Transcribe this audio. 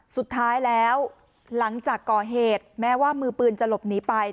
สุดท้ายแล้วหลังจากก่อเหตุแม้ว่ามือปืนจะหลบหนีไป